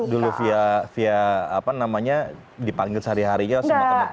dulu fia apa namanya dipanggil sehari harinya sama teman teman